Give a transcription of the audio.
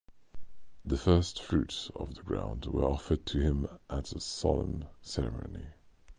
The firstfruits of the ground were offered to him at a solemn ceremony.